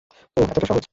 ওহ্, এতটা সহজ।